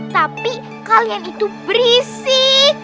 tapi kalian itu berisik